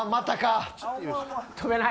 跳べない。